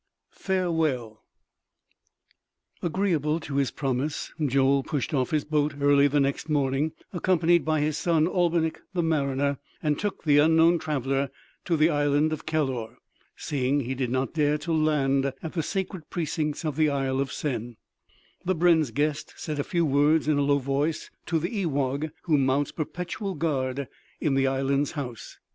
FAREWELL! Agreeable to his promise, Joel pushed off his boat early the next morning, accompanied by his son Albinik the mariner, and took the unknown traveler to the island of Kellor, seeing he did not dare to land at the sacred precincts of the Isle of Sen. The brenn's guest said a few words in a low voice to the ewagh who mounts perpetual guard in the island's house.